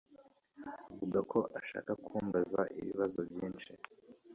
avuga ko ashaka kumbaza ibibazo byinshi.